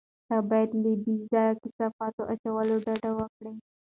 ته باید له بې ځایه کثافاتو اچولو ډډه وکړې.